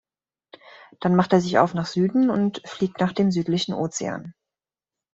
Dann macht er sich auf nach Süden und fliegt nach dem südlichen Ozean.